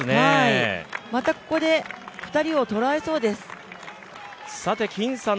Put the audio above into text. またここで、２人を捉えそうです。